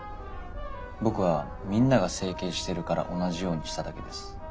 僕はみんなが整形してるから同じようにしただけです。